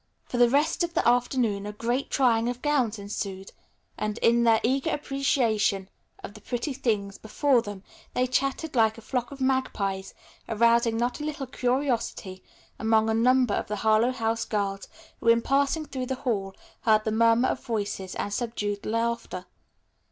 For the rest of the afternoon a great trying on of gowns ensued, and in their eager appreciation of the pretty things before them they chattered like a flock of magpies, arousing not a little curiosity among a number of the Harlowe House girls who in passing through the hall heard the murmur of voices and subdued laughter.